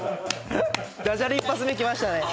ダジャレ一発目きましたね。